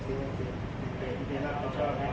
สวัสดีครับทุกคน